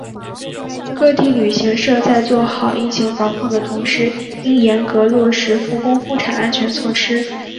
各地旅行社在做好疫情防控的同时应严格落实复工复产安全措施